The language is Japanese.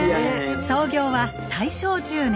創業は大正１０年。